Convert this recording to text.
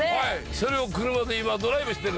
それを車で今ドライブしてる。